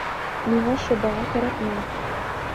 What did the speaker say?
Миңә шыбаға кәрәкмәй.